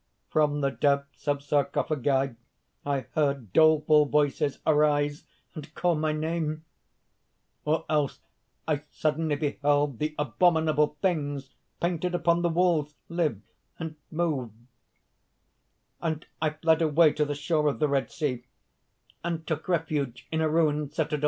From the depths of Sarcophagi, I heard doleful voices arise, and call my name; or else, I suddenly beheld the abominable things painted upon the walls live and move; and I fled away to the shore of the Red Sea, and took refuge in a ruined citadel.